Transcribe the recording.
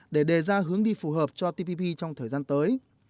để đề ra hướng đi phù hợp cho tpp trong thời gian tới